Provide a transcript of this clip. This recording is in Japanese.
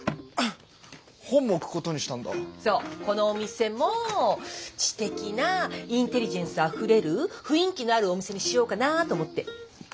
このお店も知的なインテリジェンスあふれる雰囲気のあるお店にしようかなと思って。